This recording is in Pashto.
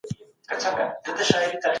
سجده یوازي د خدای حق دی.